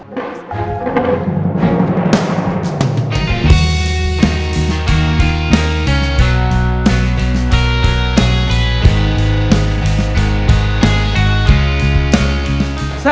jauhin dia sel